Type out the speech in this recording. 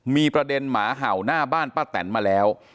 มีประเด็นหมาเห่าหน้าบ้านป้าแตนมาแล้ว